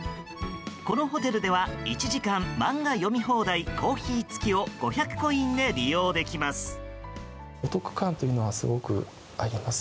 このホテルでは１時間漫画読み放題コーヒー付きを５００コインで利用できます。